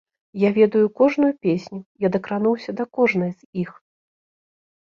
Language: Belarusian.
Я ведаю кожную песню, я дакрануўся да кожнай з іх.